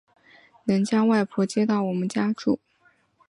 能将外婆接到我们家住